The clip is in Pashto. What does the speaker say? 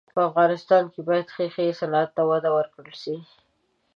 په افغانستان کې باید د ښیښې صنعت ته وده ورکړل سي.